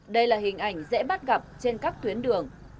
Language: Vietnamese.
đây là hình ảnh dễ bắt gặp trên các tuyến đường